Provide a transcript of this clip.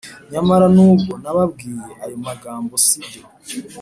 Nyamara nubwo nababwiye ayo magambo si byo